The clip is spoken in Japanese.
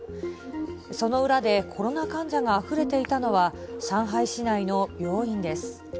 その裏で、コロナ患者があふれていたのは、上海市内の病院です。